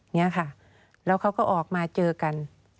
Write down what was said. เนี่ยค่ะแล้วเขาก็ออกมาเจอกัน